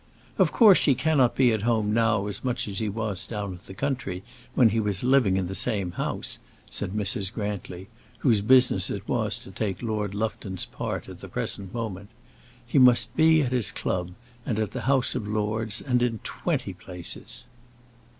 "Of course he cannot be at home now as much as he was down in the country, when he was living in the same house," said Mrs. Grantly, whose business it was to take Lord Lufton's part at the present moment. "He must be at his club, and at the House of Lords, and in twenty places."